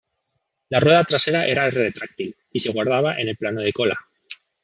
La rueda trasera era retráctil y se guardaba en el plano de cola.